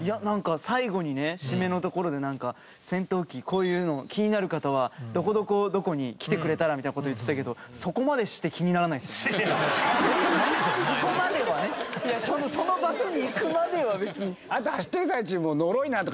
最後にね締めのところでなんか「戦闘機こういうの気になる方はどこどこどこに来てくれたら」みたいな事言ってたけどそこまではねその場所に行くまでは別に。